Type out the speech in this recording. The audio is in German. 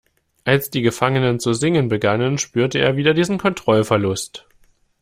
Als die Gefangenen zu singen begannen, spürte er wieder diesen Kontrollverlust.